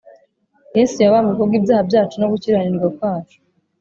Yesu yabambwe ku bw’ibyaha byacu no gukiranirwa kwacu